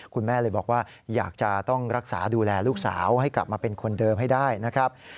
คุณแม่เลยบอกว่าอยากจะต้องรักษาดูแลลูกสาวให้กลับมาเป็นคนเดิมให้ได้นะครับ